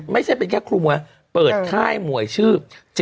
ไม่ใช่เป็นแค่ครูมวยเปิดค่ายมวยชื่อ๗